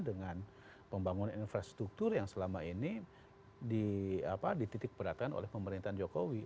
dengan pembangunan infrastruktur yang selama ini di titik perhatian oleh pemerintahan jokowi